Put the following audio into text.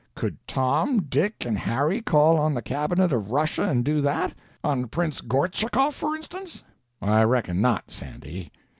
"Could Tom, Dick and Harry call on the Cabinet of Russia and do that?—on Prince Gortschakoff, for instance?" "I reckon not, Sandy."